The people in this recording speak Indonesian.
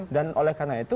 dan oleh karena itu